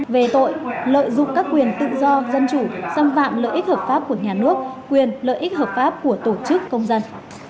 về tội lợi dụng các quyền tự do dân chủ xâm phạm lợi ích hợp pháp của nhà nước quyền lợi ích hợp pháp của tổ chức công dân